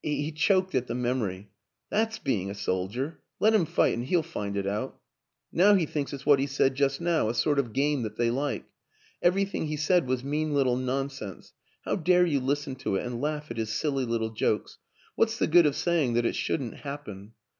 ." he choked at the memory. " That's be ing a soldier let him fight and he'll find it out. Now he thinks it's what he said just now a sort of game that they like. Everything he said was mean little nonsense how dare you listen to it and laugh at his silly little jokes? What's the good of saying that it shouldn't happen?